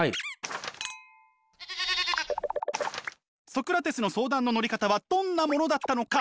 ソクラテスの相談の乗り方はどんなものだったのか。